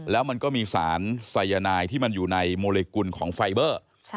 แล้วมันก็มีสารสายนายที่มันอยู่ในโมลิกุลของไฟเบอร์